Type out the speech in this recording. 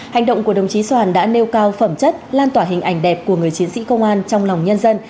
hành động của đồng chí soàn đã nêu cao phẩm chất lan tỏa hình ảnh đẹp của người chiến sĩ công an trong lòng nhân dân